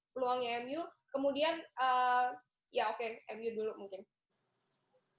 peluangnya mu kemudian ya oke mu dulu mungkin